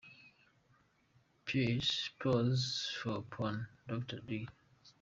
Pause for porno - Dr Dre.